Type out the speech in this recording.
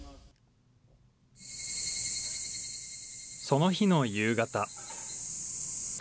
その日の夕方。